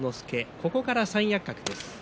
ここから三役格です。